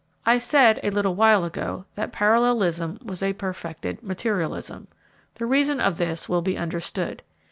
I said a little while ago that parallelism was a perfected materialism. The reason of this will be understood.